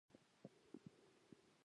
همدغه مسلمان مهاجر وو.